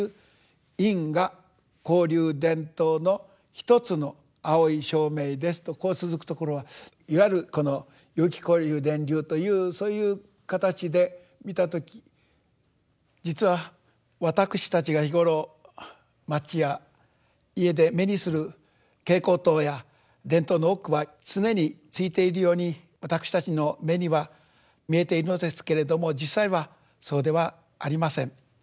自分という「現象」はとこう続くところはいわゆるこの有機交流電燈というそういう形で見た時実はわたくしたちが日頃街や家で目にする蛍光灯や電燈の多くは常についているようにわたくしたちの目には見えているのですけれども実際はそうではありません。